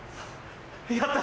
やった！